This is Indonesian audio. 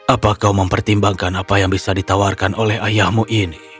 apa kau mempertimbangkan apa yang bisa ditawarkan oleh ayahmu ini